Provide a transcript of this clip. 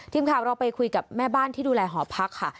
ทีมข่าวเราไปคุยกับแม่บ้านที่ดูแลหอพักค่ะ